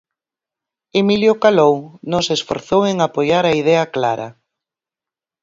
Emilio calou, non se esforzou en apoiar a idea clara.